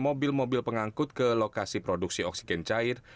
mobil mobil pengangkut ke lokasi produksi oksigen cair